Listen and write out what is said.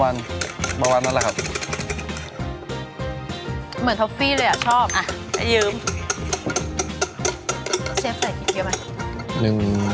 เกลือเท่านั้นแหละครับเกือบลืมอย่างหนึ่งครับ